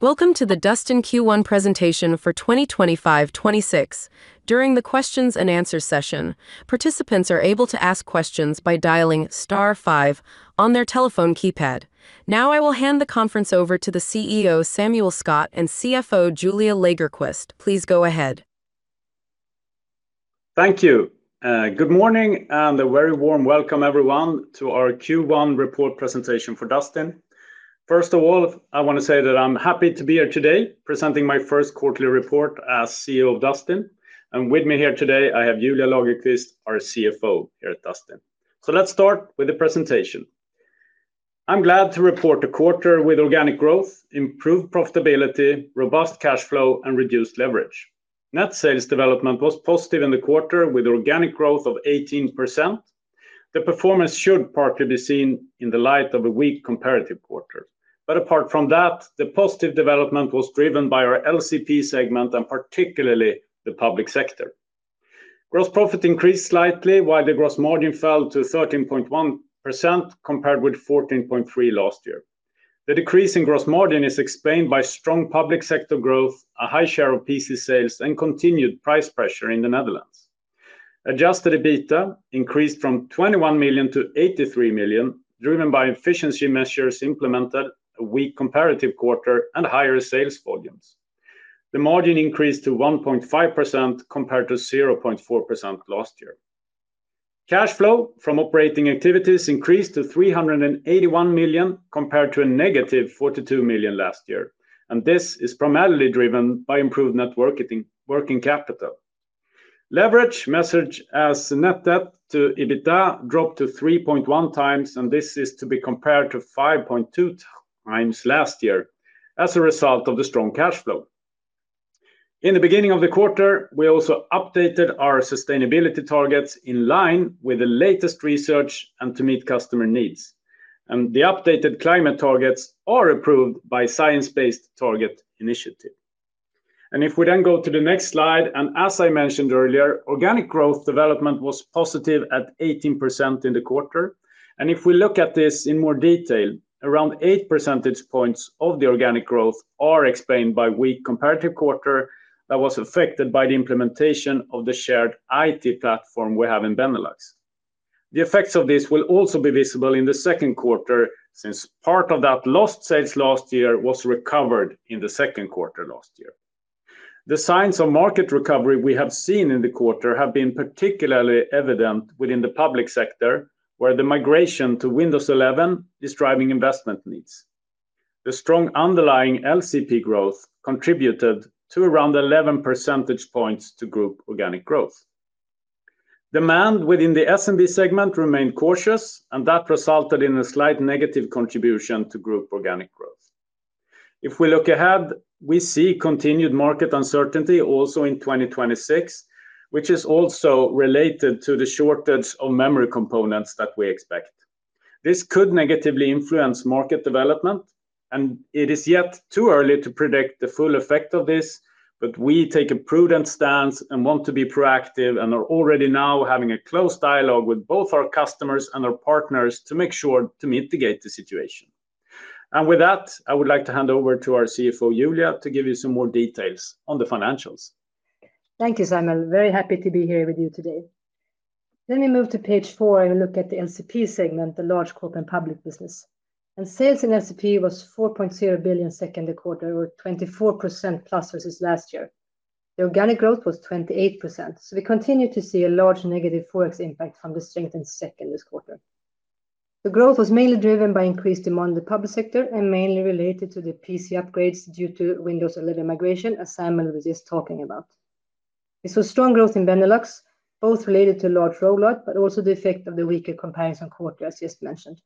Welcome to the Dustin Q1 presentation for 2025-2026. During the Q&A session, participants are able to ask questions by dialing star five on their telephone keypad. Now, I will hand the conference over to the CEO Samuel Skott and CFO Julia Lagerqvist. Please go ahead. Thank you. Good morning, and a very warm welcome, everyone, to our Q1 report presentation for Dustin. First of all, I want to say that I'm happy to be here today presenting my first quarterly report as CEO of Dustin. And with me here today, I have Julia Lagerqvist, our CFO here at Dustin. So let's start with the presentation. I'm glad to report the quarter with organic growth, improved profitability, robust cash flow, and reduced leverage. Net sales development was positive in the quarter, with organic growth of 18%. The performance should partly be seen in the light of a weak comparative quarter. But apart from that, the positive development was driven by our LCP segment and particularly the public sector. Gross profit increased slightly, while the gross margin fell to 13.1% compared with 14.3% last year. The decrease in gross margin is explained by strong public sector growth, a high share of PC sales, and continued price pressure in the Netherlands. Adjusted EBITDA increased from 21 million to 83 million, driven by efficiency measures implemented, a weak comparative quarter, and higher sales volumes. The margin increased to 1.5% compared to 0.4% last year. Cash flow from operating activities increased to 381 million compared to a -42 million last year, and this is primarily driven by improved net working capital. Leverage measured as net debt to EBITDA dropped to 3.1x, and this is to be compared to 5.2x last year as a result of the strong cash flow. In the beginning of the quarter, we also updated our sustainability targets in line with the latest research and to meet customer needs, and the updated climate targets are approved by Science Based Targets initiative. If we then go to the next slide, and as I mentioned earlier, organic growth development was positive at 18% in the quarter. If we look at this in more detail, around 8 percentage points of the organic growth are explained by weak comparative quarter that was affected by the implementation of the shared IT platform we have in Benelux. The effects of this will also be visible in the second quarter, since part of that lost sales last year was recovered in the second quarter last year. The signs of market recovery we have seen in the quarter have been particularly evident within the public sector, where the migration to Windows 11 is driving investment needs. The strong underlying LCP growth contributed to around 11 percentage points to group organic growth. Demand within the SMB segment remained cautious, and that resulted in a slight negative contribution to group organic growth. If we look ahead, we see continued market uncertainty also in 2026, which is also related to the shortage of memory components that we expect. This could negatively influence market development, and it is yet too early to predict the full effect of this, but we take a prudent stance and want to be proactive and are already now having a close dialogue with both our customers and our partners to make sure to mitigate the situation. And with that, I would like to hand over to our CFO, Julia, to give you some more details on the financials. Thank you, Samuel. Very happy to be here with you today, then we move to page four and look at the LCP segment, the large corp and public business, and sales in LCP was 4.0 billion second quarter, or 24%+ versus last year. The organic growth was 28%, so we continue to see a large negative forex impact from the strengthened second quarter. The growth was mainly driven by increased demand in the public sector and mainly related to the PC upgrades due to Windows 11 migration, as Samuel was just talking about. We saw strong growth in Benelux, both related to large rollout, but also the effect of the weaker comparison quarter as just mentioned.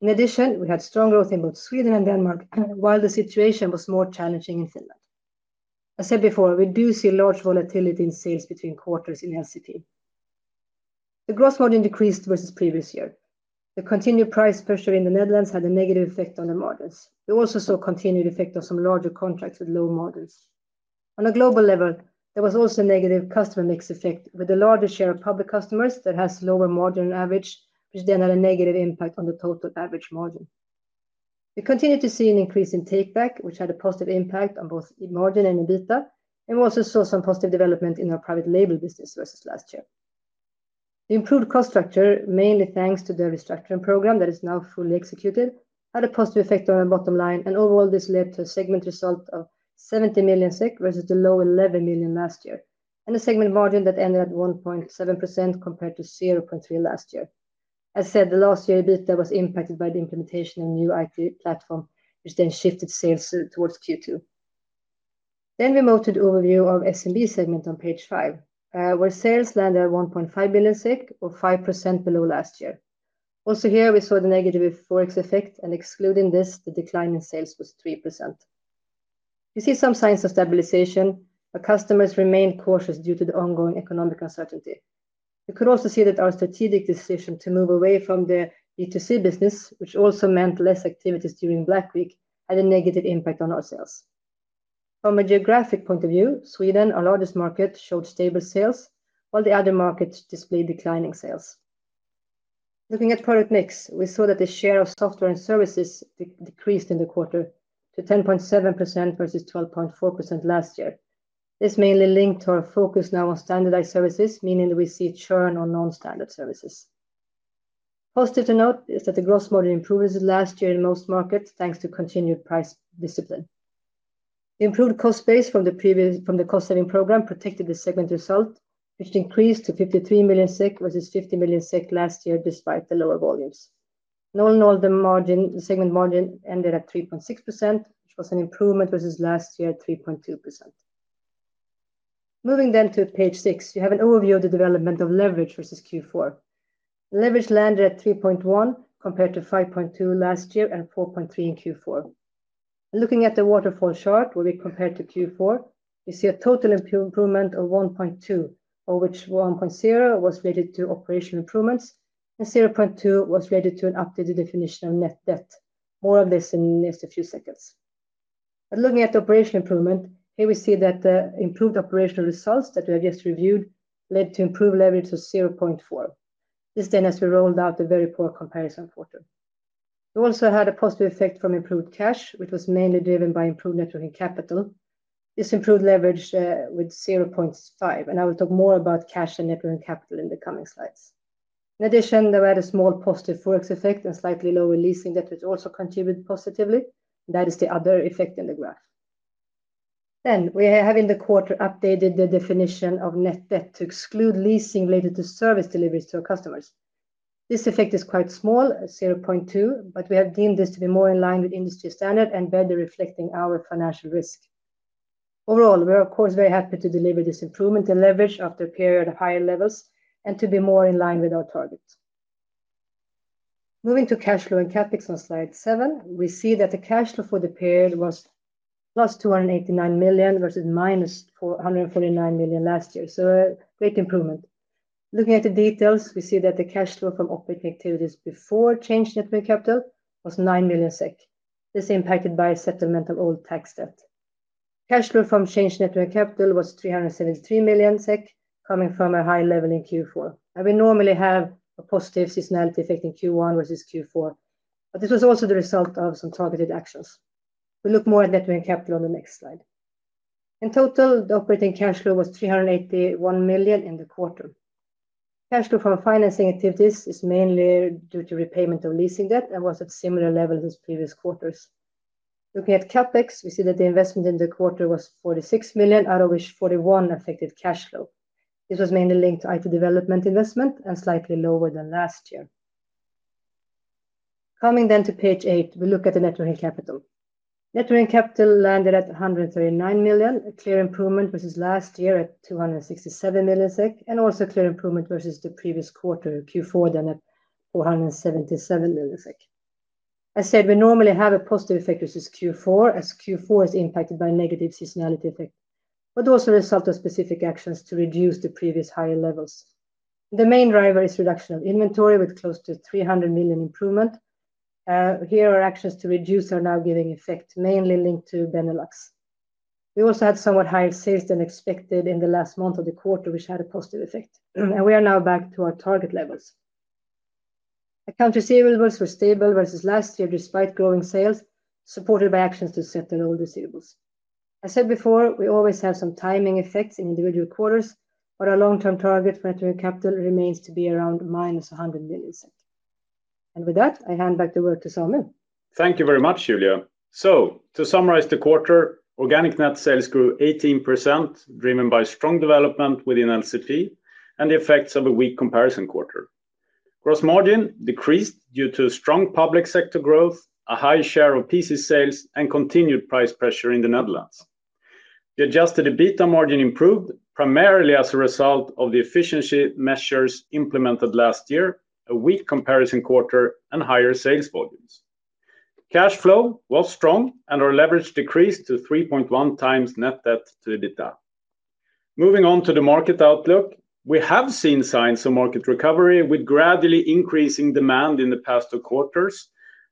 In addition, we had strong growth in both Sweden and Denmark, while the situation was more challenging in Finland. As I said before, we do see large volatility in sales between quarters in LCP. The gross margin decreased versus previous year. The continued price pressure in the Netherlands had a negative effect on the margins. We also saw a continued effect on some larger contracts with low margins. On a global level, there was also a negative customer mix effect with a larger share of public customers that has lower margin on average, which then had a negative impact on the total average margin. We continue to see an increase in Takeback, which had a positive impact on both margin and EBITDA, and we also saw some positive development in our private label business versus last year. The improved cost structure, mainly thanks to the restructuring program that is now fully executed, had a positive effect on our bottom line, and overall this led to a segment result of 70 million SEK versus the low 11 million last year, and a segment margin that ended at 1.7% compared to 0.3% last year. As said, the last year EBITDA was impacted by the implementation of a new IT platform, which then shifted sales towards Q2. Then we move to the overview of SMB segment on page five, where sales landed at 1.5 billion, or 5% below last year. Also here, we saw the negative forex effect, and excluding this, the decline in sales was 3%. We see some signs of stabilization, but customers remain cautious due to the ongoing economic uncertainty. We could also see that our strategic decision to move away from the B2C business, which also meant less activities during Black Week, had a negative impact on our sales. From a geographic point of view, Sweden, our largest market, showed stable sales, while the other markets displayed declining sales. Looking at product mix, we saw that the share of software and services decreased in the quarter to 10.7% versus 12.4% last year. This mainly linked to our focus now on standardized services, meaning that we see a churn on non-standard services. Positive to note is that the gross margin improved last year in most markets thanks to continued price discipline. The improved cost base from the cost-saving program protected the segment result, which increased to 53 million SEK versus 50 million SEK last year despite the lower volumes. All in all, the segment margin ended at 3.6%, which was an improvement versus last year at 3.2%. Moving then to page six, you have an overview of the development of leverage versus Q4. Leverage landed at 3.1 compared to 5.2 last year and 4.3 in Q4. Looking at the waterfall chart where we compared to Q4, you see a total improvement of 1.2, of which 1.0 was related to operational improvements, and 0.2 was related to an updated definition of net debt. More on this in just a few seconds. Looking at the operational improvement, here we see that the improved operational results that we have just reviewed led to improved leverage of 0.4. This then has been related to a very poor comparison quarter. We also had a positive effect from improved cash, which was mainly driven by improved net working capital. This improved leverage with 0.5, and I will talk more about cash and net working capital in the coming slides. In addition, there were other small positive forex effects and slightly lower leasing that also contributed positively. That is the other effect in the graph. Then we have in the quarter updated the definition of net debt to exclude leasing related to service deliveries to our customers. This effect is quite small, 0.2, but we have deemed this to be more in line with industry standard and better reflecting our financial risk. Overall, we're of course very happy to deliver this improvement and leverage after a period of higher levels and to be more in line with our target. Moving to cash flow and CapEx on slide seven, we see that the cash flow for the period was +289 million versus -149 million last year. So a great improvement. Looking at the details, we see that the cash flow from operating activities before change net working capital was 9 million SEK. This is impacted by a settlement of old tax debt. Cash flow from change net working capital was 373 million SEK coming from a high level in Q4, and we normally have a positive seasonality effect in Q1 versus Q4, but this was also the result of some targeted actions. We look more at net working capital on the next slide. In total, the operating cash flow was 381 million in the quarter. Cash flow from financing activities is mainly due to repayment of leasing debt and was at similar levels as previous quarters. Looking at CapEx, we see that the investment in the quarter was 46 million, out of which 41 million affected cash flow. This was mainly linked to IT development investment and slightly lower than last year. Coming then to page eight, we look at the net working capital. Net working capital landed at 139 million, a clear improvement versus last year at 267 million SEK, and also a clear improvement versus the previous quarter, Q4, then at 477 million SEK. As said, we normally have a positive effect versus Q4 as Q4 is impacted by a negative seasonality effect, but also the result of specific actions to reduce the previous higher levels. The main driver is reduction of inventory with close to 300 million improvement. Here our actions to reduce are now giving effect, mainly linked to Benelux. We also had somewhat higher sales than expected in the last month of the quarter, which had a positive effect. We are now back to our target levels. Accounts receivable were stable versus last year despite growing sales, supported by actions to settle the old receivables. As said before, we always have some timing effects in individual quarters, but our long-term target for net working capital remains to be around -100 million, and with that, I hand back the word to Samuel. Thank you very much, Julia. So to summarize the quarter, organic net sales grew 18%, driven by strong development within LCP and the effects of a weak comparison quarter. Gross margin decreased due to strong public sector growth, a high share of PC sales, and continued price pressure in the Netherlands. The adjusted EBITDA margin improved primarily as a result of the efficiency measures implemented last year, a weak comparison quarter, and higher sales volumes. Cash flow was strong and our leverage decreased to 3.1x net debt to EBITDA. Moving on to the market outlook, we have seen signs of market recovery with gradually increasing demand in the past two quarters,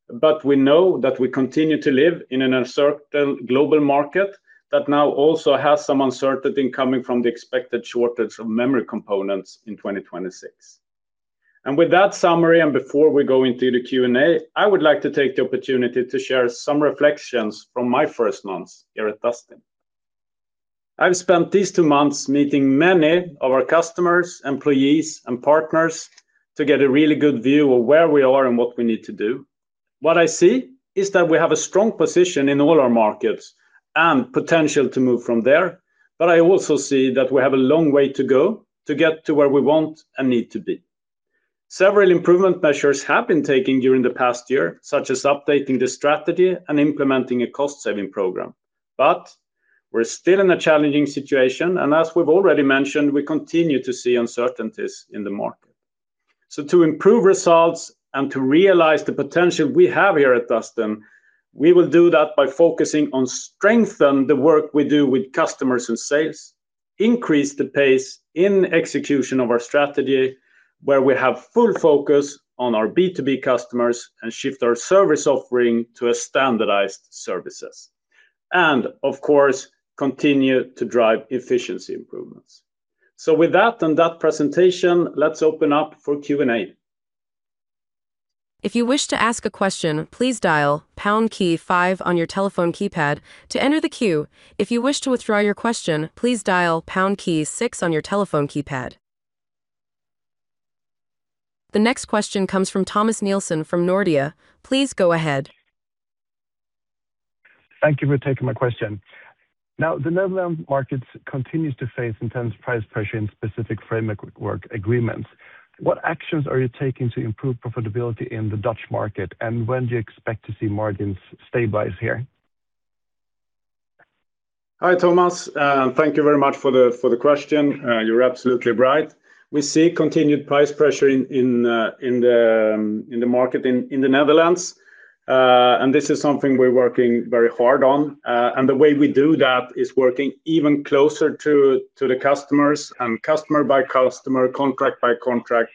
but we know that we continue to live in an uncertain global market that now also has some uncertainty coming from the expected shortage of memory components in 2026. With that summary and before we go into the Q&A, I would like to take the opportunity to share some reflections from my first month here at Dustin. I've spent these two months meeting many of our customers, employees, and partners to get a really good view of where we are and what we need to do. What I see is that we have a strong position in all our markets and potential to move from there, but I also see that we have a long way to go to get to where we want and need to be. Several improvement measures have been taken during the past year, such as updating the strategy and implementing a cost-saving program, but we're still in a challenging situation, and as we've already mentioned, we continue to see uncertainties in the market. So to improve results and to realize the potential we have here at Dustin, we will do that by focusing on strengthening the work we do with customers and sales, increase the pace in execution of our strategy where we have full focus on our B2B customers and shift our service offering to standardized services, and of course, continue to drive efficiency improvements. So with that and that presentation, let's open up for Q&A. If you wish to ask a question, please dial pound key five on your telephone keypad to enter the queue. If you wish to withdraw your question, please dial pound key six on your telephone keypad. The next question comes from Thomas Nielsen from Nordea. Please go ahead. Thank you for taking my question. Now, the Netherlands markets continue to face intense price pressure in specific framework agreements. What actions are you taking to improve profitability in the Dutch market, and when do you expect to see margins stabilize here? Hi, Thomas. Thank you very much for the question. You're absolutely right. We see continued price pressure in the market in the Netherlands, and this is something we're working very hard on, and the way we do that is working even closer to the customers and customer by customer, contract by contract,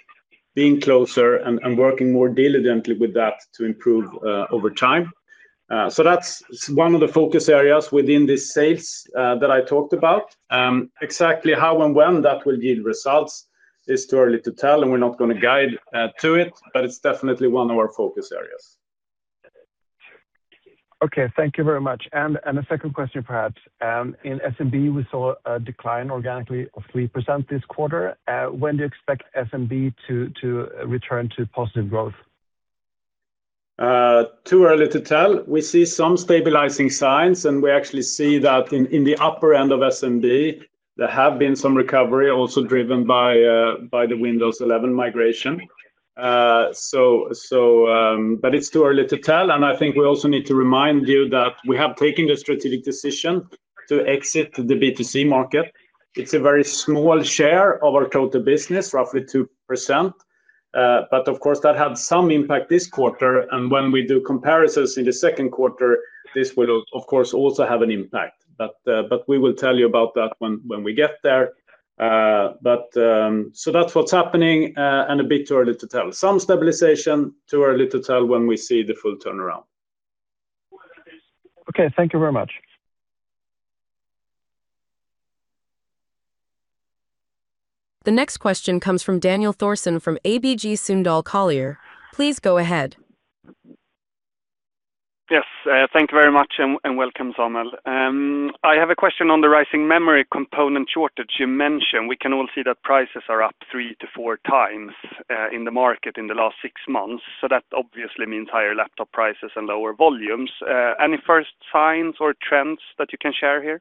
being closer and working more diligently with that to improve over time, so that's one of the focus areas within the sales that I talked about. Exactly how and when that will yield results is too early to tell, and we're not going to guide to it, but it's definitely one of our focus areas. Okay, thank you very much. A second question, perhaps. In SMB, we saw a decline organically of 3% this quarter. When do you expect SMB to return to positive growth? Too early to tell. We see some stabilizing signs, and we actually see that in the upper end of SMB, there have been some recovery also driven by the Windows 11 migration. But it's too early to tell, and I think we also need to remind you that we have taken the strategic decision to exit the B2C market. It's a very small share of our total business, roughly 2%, but of course, that had some impact this quarter, and when we do comparisons in the second quarter, this will of course also have an impact. But we will tell you about that when we get there. But so that's what's happening, and a bit too early to tell. Some stabilization, too early to tell when we see the full turnaround. Okay, thank you very much. The next question comes from Daniel Thorsson from ABG Sundal Collier. Please go ahead. Yes, thank you very much and welcome, Samuel. I have a question on the rising memory component shortage you mentioned. We can all see that prices are up 3x-4x in the market in the last six months, so that obviously means higher laptop prices and lower volumes. Any first signs or trends that you can share here?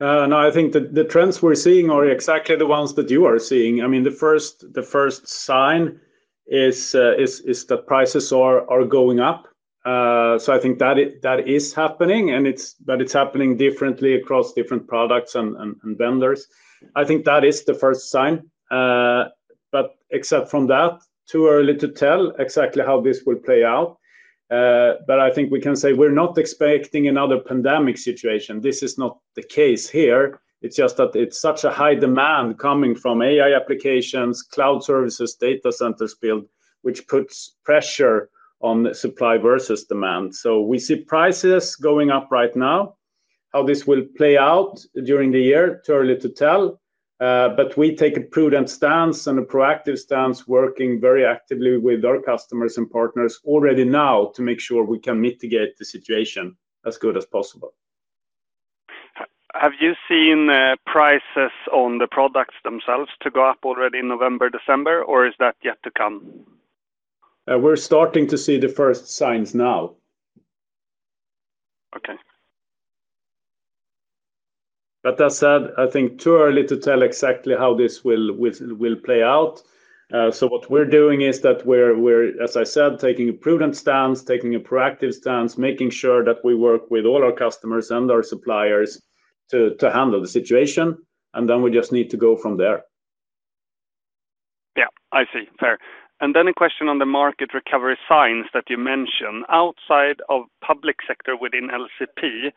No, I think that the trends we're seeing are exactly the ones that you are seeing. I mean, the first sign is that prices are going up. So I think that is happening, but it's happening differently across different products and vendors. I think that is the first sign. But except from that, too early to tell exactly how this will play out. But I think we can say we're not expecting another pandemic situation. This is not the case here. It's just that it's such a high demand coming from AI applications, cloud services, data centers built, which puts pressure on supply versus demand. So we see prices going up right now. How this will play out during the year, too early to tell. But we take a prudent stance and a proactive stance, working very actively with our customers and partners already now to make sure we can mitigate the situation as good as possible. Have you seen prices on the products themselves to go up already in November, December, or is that yet to come? We're starting to see the first signs now. Okay. But that said, I think it's too early to tell exactly how this will play out. So what we're doing is that we're, as I said, taking a prudent stance, taking a proactive stance, making sure that we work with all our customers and our suppliers to handle the situation, and then we just need to go from there. Yeah, I see. Fair. And then a question on the market recovery signs that you mentioned. Outside of public sector within LCP,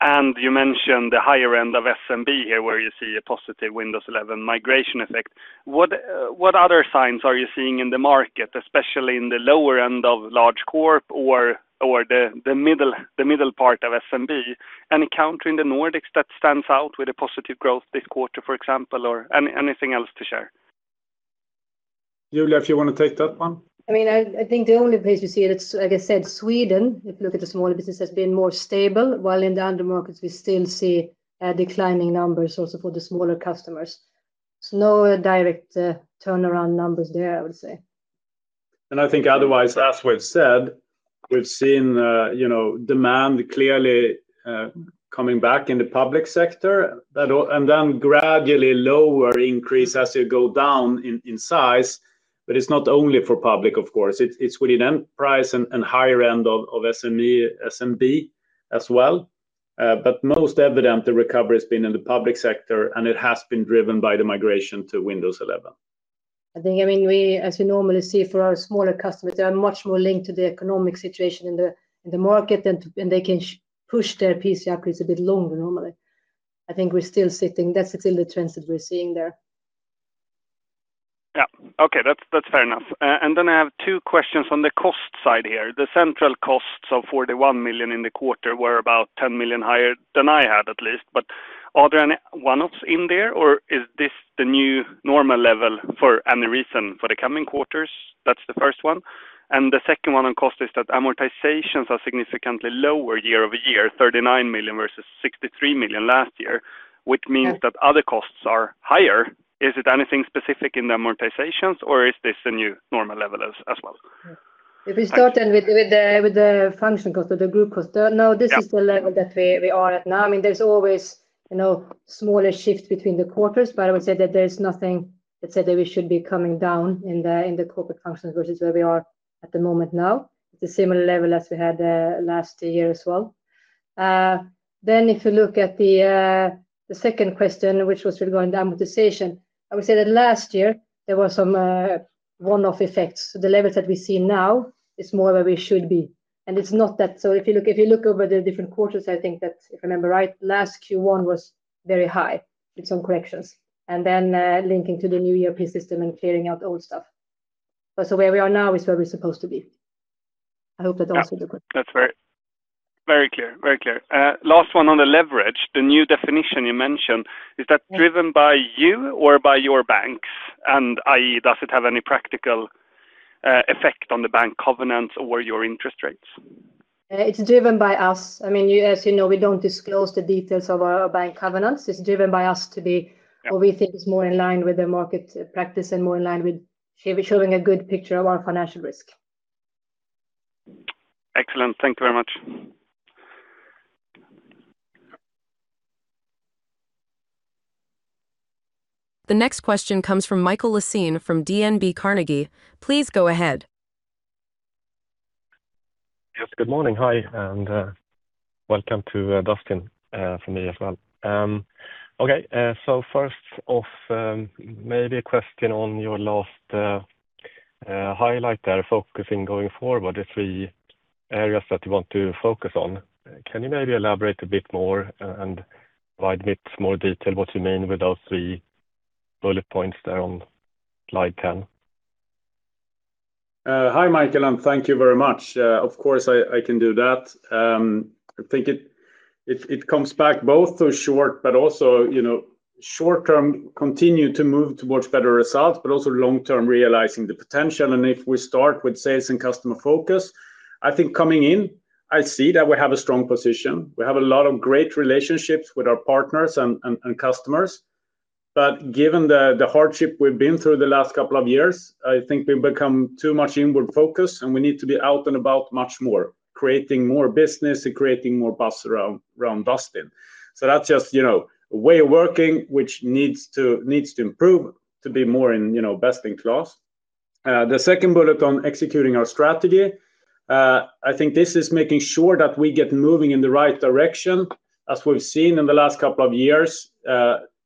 and you mentioned the higher end of SMB here where you see a positive Windows 11 migration effect. What other signs are you seeing in the market, especially in the lower end of large corp or the middle part of SMB? Any country in the Nordics that stands out with a positive growth this quarter, for example, or anything else to share? Julia, if you want to take that one. I mean, I think the only place we see it, like I said, Sweden, if you look at the smaller business, has been more stable, while in the other markets, we still see declining numbers also for the smaller customers. So no direct turnaround numbers there, I would say. And I think otherwise, as we've said, we've seen demand clearly coming back in the public sector, and then gradually lower increase as you go down in size. But it's not only for public, of course. It's within enterprise and higher end of SMB as well. But most evident, the recovery has been in the public sector, and it has been driven by the migration to Windows 11. I think, I mean, as you normally see for our smaller customers, they are much more linked to the economic situation in the market, and they can push their PC upgrades a bit longer normally. I think we're still sitting, that's still the trends that we're seeing there. Yeah, okay, that's fair enough. And then I have two questions on the cost side here. The central costs of 41 million in the quarter were about 10 million higher than I had at least, but are there any one-offs in there, or is this the new normal level for any reason for the coming quarters? That's the first one. And the second one on cost is that amortizations are significantly lower year-over-year, 39 million versus 63 million last year, which means that other costs are higher. Is it anything specific in the amortizations, or is this a new normal level as well? If we start then with the function cost or the group cost, now this is the level that we are at now. I mean, there's always smaller shifts between the quarters, but I would say that there's nothing that said that we should be coming down in the corporate functions versus where we are at the moment now. It's a similar level as we had last year as well. Then if you look at the second question, which was regarding the amortization, I would say that last year there were some one-off effects. So the levels that we see now is more where we should be. And it's not that, so if you look over the different quarters, I think that, if I remember right, last Q1 was very high with some corrections. And then linking to the new ERP system and clearing out old stuff. So where we are now is where we're supposed to be. I hope that answered the question. That's very clear. Very clear. Last one on the leverage, the new definition you mentioned, is that driven by you or by your banks? And, i.e., does it have any practical effect on the bank covenants or your interest rates? It's driven by us. I mean, as you know, we don't disclose the details of our bank covenants. It's driven by us to be, or we think it's more in line with the market practice and more in line with showing a good picture of our financial risk. Excellent. Thank you very much. The next question comes from Mikael Laséen from DNB Carnegie. Please go ahead. Yes, good morning. Hi, and welcome to Dustin from me as well. Okay, so first off, maybe a question on your last highlight there, focusing going forward, the three areas that you want to focus on. Can you maybe elaborate a bit more and provide a bit more detail what you mean with those three bullet points there on slide 10? Hi, Mikael, and thank you very much. Of course, I can do that. I think it comes back both to short, but also short-term continue to move towards better results, but also long-term realizing the potential, and if we start with sales and customer focus, I think coming in, I see that we have a strong position. We have a lot of great relationships with our partners and customers, but given the hardship we've been through the last couple of years, I think we've become too much inward focused, and we need to be out and about much more, creating more business and creating more buzz around Dustin, so that's just a way of working which needs to improve to be more in best in class. The second bullet on executing our strategy, I think this is making sure that we get moving in the right direction. As we've seen in the last couple of years,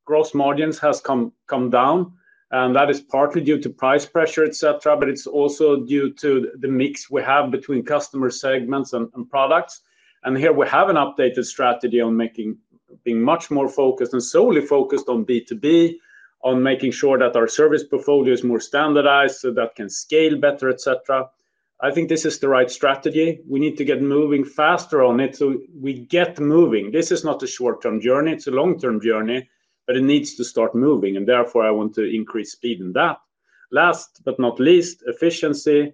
gross margins have come down, and that is partly due to price pressure, etc., but it's also due to the mix we have between customer segments and products, and here we have an updated strategy on being much more focused and solely focused on B2B, on making sure that our service portfolio is more standardized so that can scale better, etc. I think this is the right strategy. We need to get moving faster on it so we get moving. This is not a short-term journey. It's a long-term journey, but it needs to start moving, and therefore I want to increase speed in that. Last but not least, efficiency.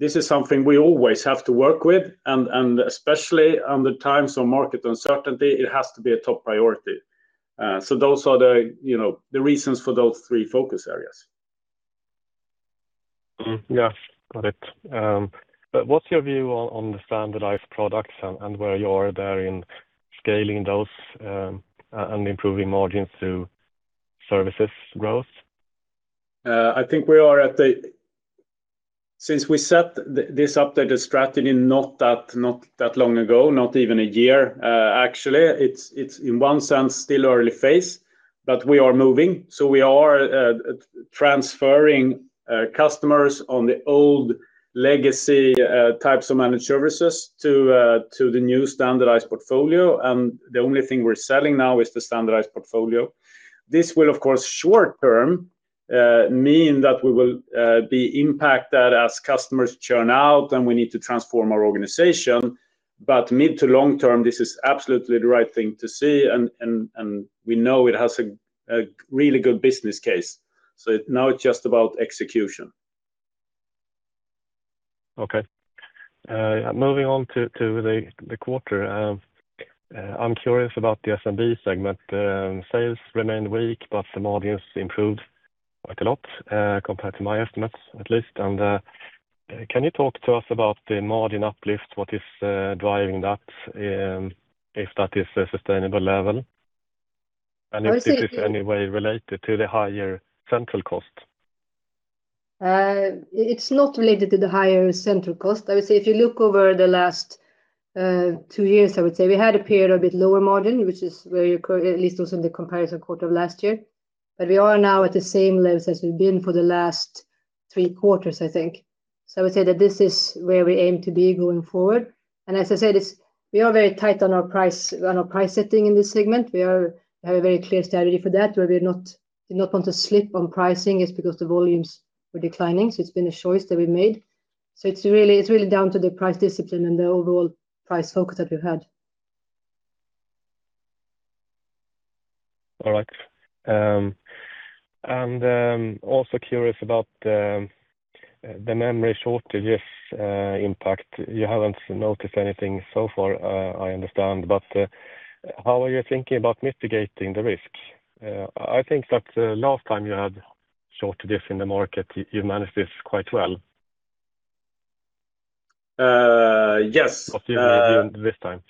This is something we always have to work with, and especially under times of market uncertainty, it has to be a top priority. So those are the reasons for those three focus areas. Yeah, got it. But what's your view on the standardized products and where you are there in scaling those and improving margins through services growth? I think we are at the, since we set this up, the strategy not that long ago, not even a year, actually. It's in one sense still early phase, but we are moving. So we are transferring customers on the old legacy types of managed services to the new standardized portfolio, and the only thing we're selling now is the standardized portfolio. This will, of course, short-term mean that we will be impacted as customers churn out, and we need to transform our organization. But mid- to long-term, this is absolutely the right thing to see, and we know it has a really good business case. So now it's just about execution. Okay. Moving on to the quarter, I'm curious about the SMB segment. Sales remained weak, but the margins improved quite a lot compared to my estimates, at least. And can you talk to us about the margin uplift, what is driving that, if that is a sustainable level? And if it is any way related to the higher central cost? It's not related to the higher central cost. I would say if you look over the last two years, I would say we had a period of a bit lower margin, which is where you're at least also in the comparison quarter of last year. But we are now at the same levels as we've been for the last three quarters, I think. So I would say that this is where we aim to be going forward. And as I said, we are very tight on our price setting in this segment. We have a very clear strategy for that, where we did not want to slip on pricing just because the volumes were declining. So it's been a choice that we made. So it's really down to the price discipline and the overall price focus that we've had. All right. And also curious about the memory shortages impact. You haven't noticed anything so far, I understand. But how are you thinking about mitigating the risks? I think that last time you had shortages in the market, you managed this quite well. Yes. What do you mean this time?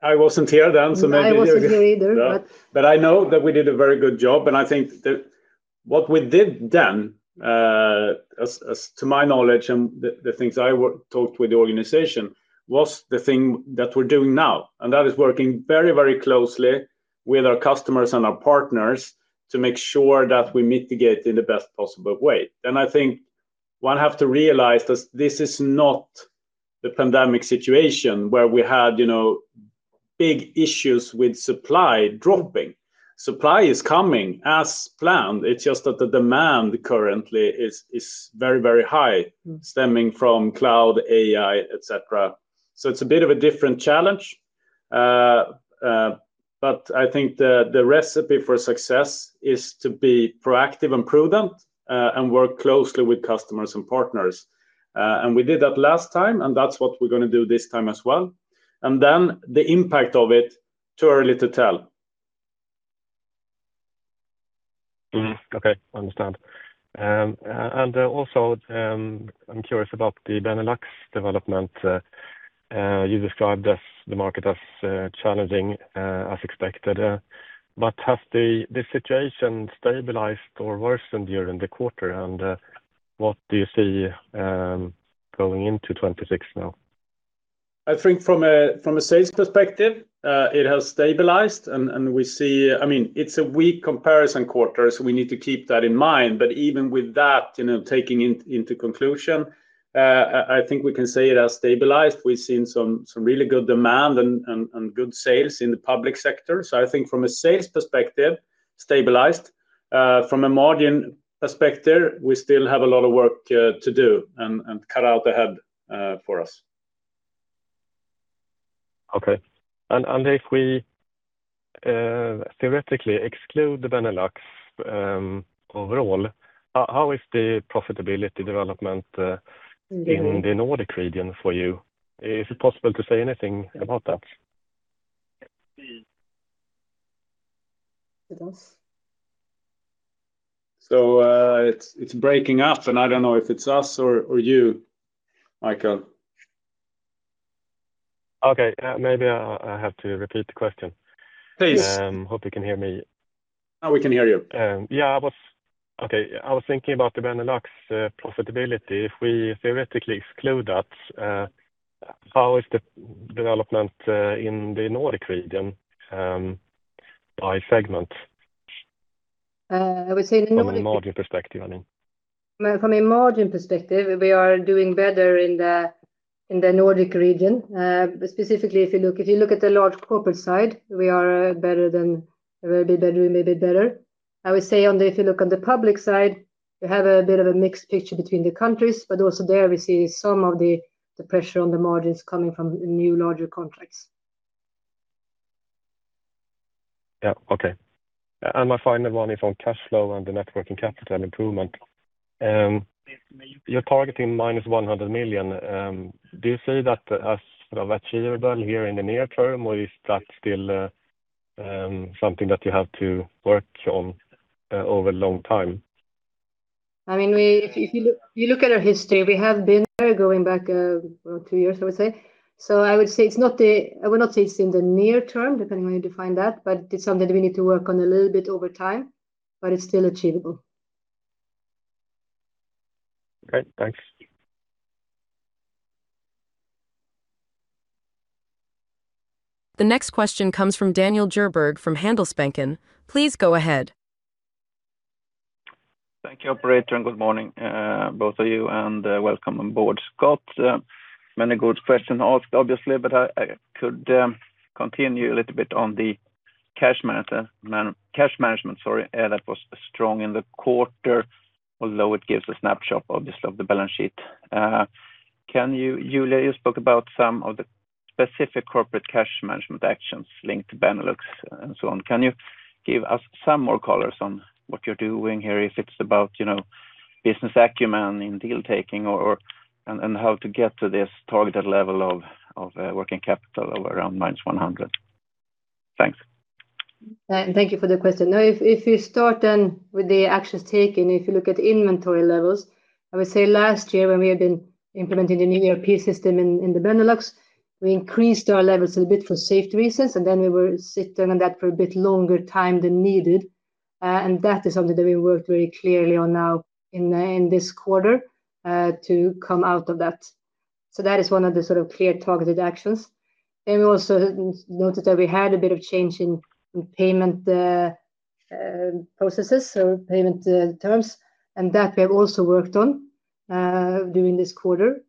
I wasn't here then, so maybe you're good. I wasn't here either, but. But I know that we did a very good job, and I think that what we did then, to my knowledge and the things I talked with the organization, was the thing that we're doing now. And that is working very, very closely with our customers and our partners to make sure that we mitigate in the best possible way. And I think one has to realize that this is not the pandemic situation where we had big issues with supply dropping. Supply is coming as planned. It's just that the demand currently is very, very high, stemming from cloud, AI, etc. So it's a bit of a different challenge. But I think the recipe for success is to be proactive and prudent and work closely with customers and partners. And we did that last time, and that's what we're going to do this time as well. And then the impact of it, too early to tell. Okay, understand. And also, I'm curious about the Benelux development. You described the market as challenging, as expected. But has this situation stabilized or worsened during the quarter? And what do you see going into 2026 now? I think from a sales perspective, it has stabilized, and we see, I mean, it's a weak comparison quarter, so we need to keep that in mind. But even with that, taking into conclusion, I think we can say it has stabilized. We've seen some really good demand and good sales in the public sector. So I think from a sales perspective, stabilized. From a margin perspective, we still have a lot of work to do and cut out ahead for us. Okay. And if we theoretically exclude the Benelux overall, how is the profitability development in the Nordic region for you? Is it possible to say anything about that? So it's breaking up, and I don't know if it's us or you, Michael. Okay, maybe I have to repeat the question. Please. Hope you can hear me. Now we can hear you. Yeah, okay. I was thinking about the Benelux profitability. If we theoretically exclude that, how is the development in the Nordic region by segment? I would say the Nordics. From a margin perspective, I mean. From a margin perspective, we are doing better in the Nordic region. Specifically, if you look at the large corporate side, we are better than a little bit better, maybe better. I would say if you look on the public side, we have a bit of a mixed picture between the countries, but also there we see some of the pressure on the margins coming from new larger contracts. Yeah, okay. And my final one is on cash flow and the net working capital improvement. You're targeting -100 million. Do you see that as viable here in the near term, or is that still something that you have to work on over a long time? I mean, if you look at our history, we have been there going back two years, I would say. So I would say it's not the, I would not say it's in the near term, depending on how you define that, but it's something that we need to work on a little bit over time, but it's still achievable. Okay, thanks. The next question comes from Daniel Djurberg from Handelsbanken. Please go ahead. Thank you, Operator, and good morning, both of you, and welcome on board. Skott's many good questions asked, obviously, but I could continue a little bit on the cash management, sorry, that was strong in the quarter, although it gives a snapshot, obviously, of the balance sheet. Can you, Julia? You spoke about some of the specific corporate cash management actions linked to Benelux and so on. Can you give us some more colors on what you're doing here, if it's about business acumen in deal-taking and how to get to this targeted level of working capital of around -100 million? Thanks. Thank you for the question. If you start then with the actions taken, if you look at inventory levels, I would say last year when we had been implementing the new ERP system in the Benelux, we increased our levels a bit for safety reasons, and then we were sitting on that for a bit longer time than needed, and that is something that we worked very clearly on now in this quarter to come out of that, so that is one of the sort of clear targeted actions, and we also noticed that we had a bit of change in payment processes, so payment terms, and that we have also worked on during this quarter.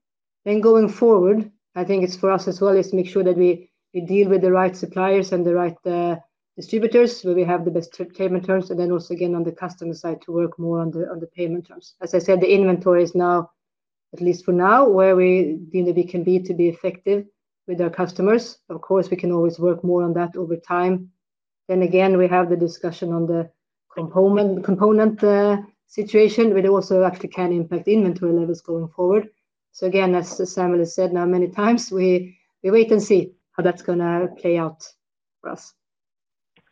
Going forward, I think it's for us as well to make sure that we deal with the right suppliers and the right distributors where we have the best payment terms, and then also again on the customer side to work more on the payment terms. As I said, the inventory is now, at least for now, where we deem that we can be to be effective with our customers. Of course, we can always work more on that over time. Again, we have the discussion on the component situation, which also actually can impact inventory levels going forward. Again, as Samuel has said now many times, we wait and see how that's going to play out for us.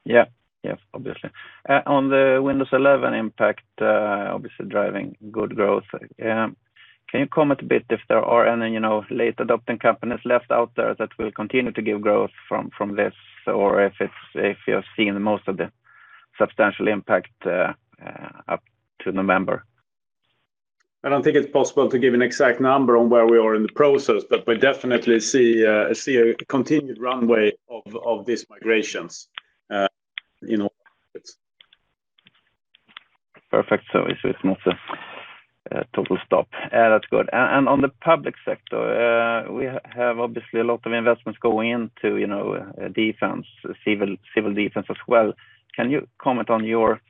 Yeah, yes, obviously. On the Windows 11 impact, obviously driving good growth. Can you comment a bit if there are any late adopting companies left out there that will continue to give growth from this, or if you've seen most of the substantial impact up to November? I don't think it's possible to give an exact number on where we are in the process, but we definitely see a continued runway of these migrations in all. Perfect. So it's not a total stop. That's good. And on the public sector, we have obviously a lot of investments going into defense, civil defense as well. Can you comment on your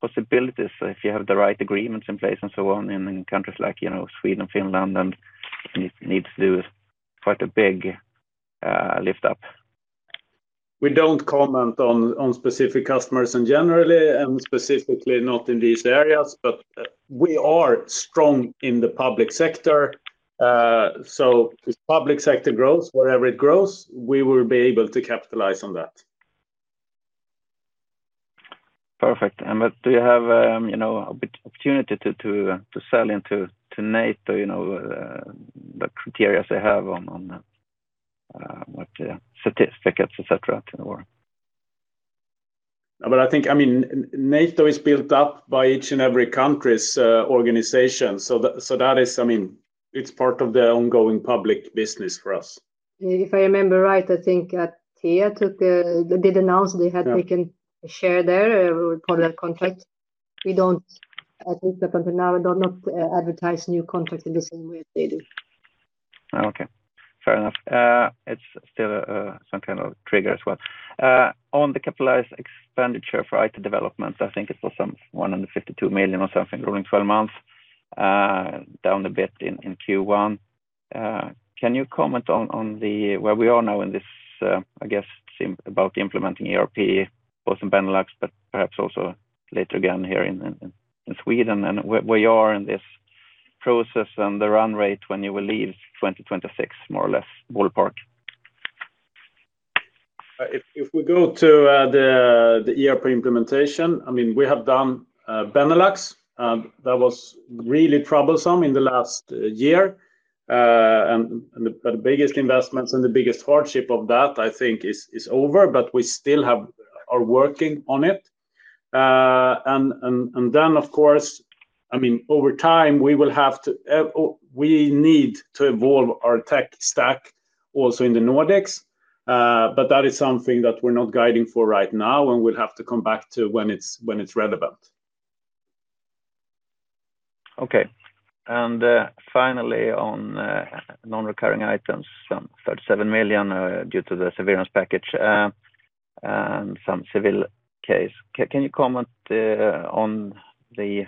possibilities if you have the right agreements in place and so on in countries like Sweden, Finland, and Denmark? It needs to do quite a big lift-up? We don't comment on specific customers in general, and specifically not in these areas, but we are strong in the public sector. So if public sector grows, wherever it grows, we will be able to capitalize on that. Perfect. And do you have a bit of opportunity to sell into NATO, the criteria they have on statistics, etc., to the war? But I think, I mean, NATO is built up by each and every country's organization. So that is, I mean, it's part of the ongoing public business for us. If I remember right, I think Atea did announce they had taken a share there, a partner contract. We don't, at least up until now, not advertise new contracts in the same way as they do. Okay, fair enough. It's still some kind of trigger as well. On the capital expenditure for IT development, I think it was some 152 million or something during 12 months, down a bit in Q1. Can you comment on where we are now in this, I guess, about implementing ERP, both in Benelux, but perhaps also later again here in Sweden, and where you are in this process and the run rate when you will live 2026, more or less, ballpark? If we go to the ERP implementation, I mean, we have done Benelux. That was really troublesome in the last year. And the biggest investments and the biggest hardship of that, I think, is over, but we still are working on it. And then, of course, I mean, over time, we will have to, we need to evolve our tech stack also in the Nordics, but that is something that we're not guiding for right now, and we'll have to come back to when it's relevant. Okay. And finally, on non-recurring items, some 37 million due to the severance package and some civil case. Can you comment on the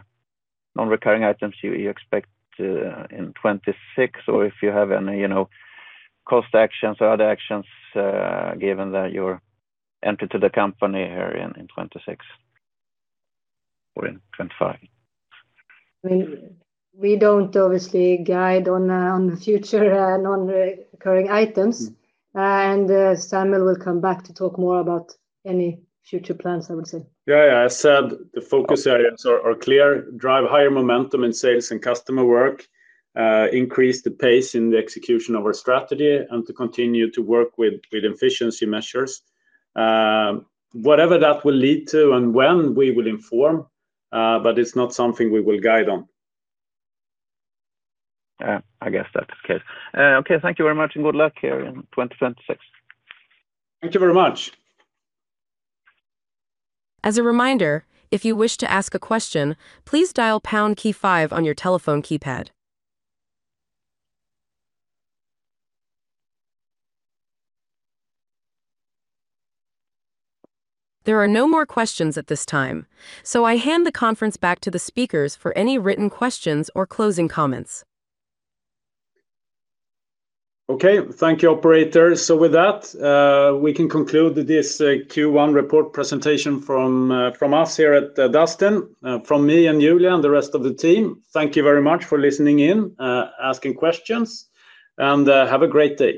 non-recurring items you expect in 2026, or if you have any cost actions or other actions given that you're entering the company here in 2026 or in 2025? We don't obviously guide on the future and on recurring items, and Samuel will come back to talk more about any future plans, I would say. Yeah, yeah. As said, the focus areas are clear: drive higher momentum in sales and customer work, increase the pace in the execution of our strategy, and to continue to work with efficiency measures. Whatever that will lead to and when, we will inform, but it's not something we will guide on. I guess that's the case. Okay, thank you very much and good luck here in 2026. Thank you very much. As a reminder, if you wish to ask a question, please dial pound key five on your telephone keypad. There are no more questions at this time, so I hand the conference back to the speakers for any written questions or closing comments. Okay, thank you, Operator. So with that, we can conclude this Q1 report presentation from us here at Dustin, from me and Julia and the rest of the team. Thank you very much for listening in, asking questions, and have a great day.